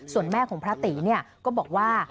ส่วนแม่ของพระตีก็บอกว่า